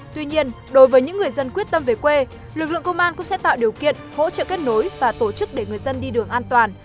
tuy nhiên đối với những người dân quyết tâm về quê lực lượng công an cũng sẽ tạo điều kiện hỗ trợ kết nối và tổ chức để người dân đi đường an toàn